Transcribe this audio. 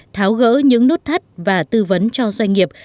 tháo gỡ những nút thắt và tư vấn cho doanh nghiệp